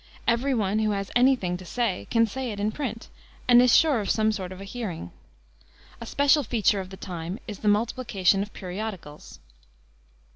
Every one who has any thing to say can say it in print, and is sure of some sort of a hearing. A special feature of the time is the multiplication of periodicals.